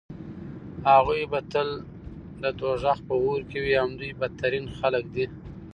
هغوی به تل د دوزخ په اور کې وي همدوی بدترين خلک دي